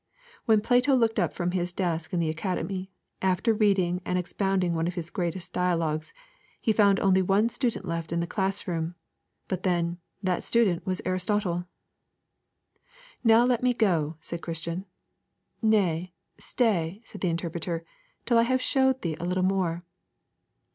When Plato looked up from his desk in the Academy, after reading and expounding one of his greatest Dialogues, he found only one student left in the class room, but then, that student was Aristotle. 'Now let me go,' said Christian. 'Nay, stay,' said the Interpreter, 'till I have showed thee a little more.'